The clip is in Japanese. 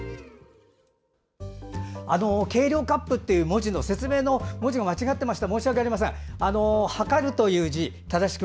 「計量カップ」という説明の文字が間違ってました。